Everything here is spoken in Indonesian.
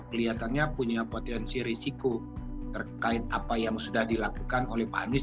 kelihatannya punya potensi risiko terkait apa yang sudah dilakukan oleh pak anies